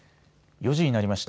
４時になりました。